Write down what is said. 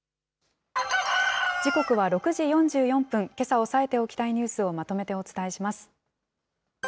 時刻は６時４４分、けさ押さえておきたいニュースをまとめてお伝えします。